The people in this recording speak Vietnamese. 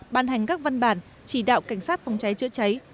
ban hành các văn bản chỉ đạo cảnh sát phòng cháy chữa cháy